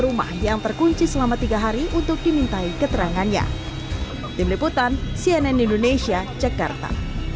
rumah yang terkunci selama tiga hari untuk dimintai keterangannya tim liputan cnn indonesia jakarta